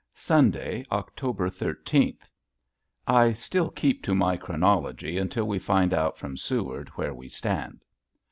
Sunday, October thirteenth. (I still keep to my chronology until we find out from Seward where we stand.)